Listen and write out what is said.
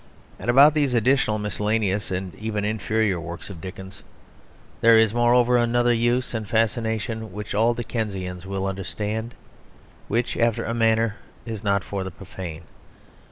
And about these additional, miscellaneous, and even inferior works of Dickens there is, moreover, another use and fascination which all Dickensians will understand; which, after a manner, is not for the profane.